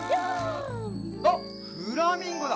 あっフラミンゴだ！